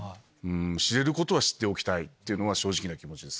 知れることは知っておきたいっていうのは正直な気持ちです。